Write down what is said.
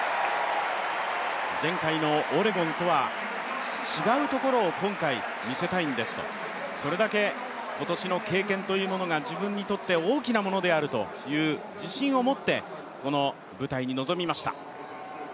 前回のオレゴンとは違うところを今回見せたいんですと、それだけ今年の経験というのが自分にとって大きなものであるという自信を持ってこの舞台に臨みました。